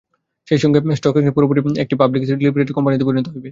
সেই সঙ্গে স্টক এক্সচেঞ্জটি পুরোপুরি একটি পাবলিক লিমিটেড কোম্পানিতে পরিণত হবে।